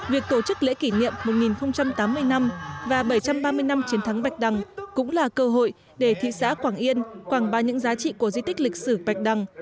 việc tổ chức lễ kỷ niệm một nghìn tám mươi năm và bảy trăm ba mươi năm chiến thắng bạch đăng cũng là cơ hội để thị xã quảng yên quảng bá những giá trị của di tích lịch sử bạch đằng